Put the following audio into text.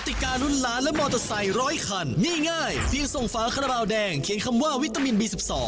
กฎิกานุ่นล้านและมอเตอร์ไซค์ร้อยคันง่ายเพียงส่งฝาขนาดราวแดงเขียนคำว่าวิตามินบี๑๒